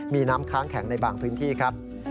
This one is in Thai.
มีน้ำค้างแข็งในบางพื้นที่ครับ